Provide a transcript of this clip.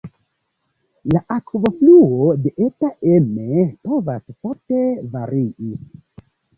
La akvofluo de Eta Emme povas forte varii.